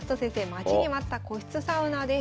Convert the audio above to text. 待ちに待った個室サウナです。